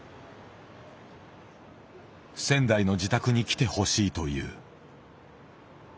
仙台の自宅に来てほしいという。